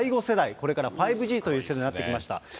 これから５Ｇという世代になってきました。